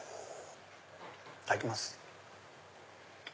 いただきます。